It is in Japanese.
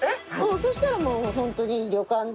そうしたらもう本当に旅館で。